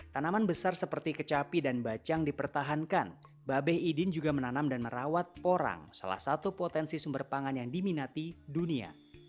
tanaman besar seperti kecapi dan bacang dipertahankan babeh idin juga menanam dan merawat porang salah satu potensi sumber pangan yang diminati dunia